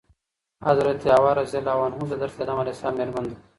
حضرت حواء رضي الله عنه د حضرت آدم عليه السلام ميرمن ده